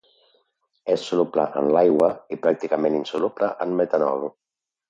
És soluble en l'aigua i pràcticament insoluble en metanol.